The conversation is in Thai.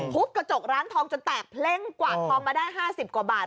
ทุบกระจกร้านทองจนแตกเพ่งกวาดทองมาได้๕๐กว่าบาท